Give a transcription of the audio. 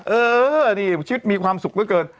เออนี่ชีวิตมีความสุขเหลือเกิน